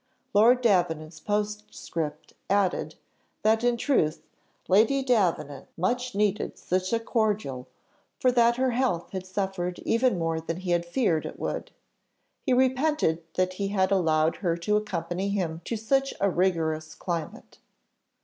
Lord Davenant's postscript added, that in truth Lady Davenant much needed such a cordial, for that her health had suffered even more than he had feared it would. He repented that he had allowed her to accompany him to such a rigorous climate.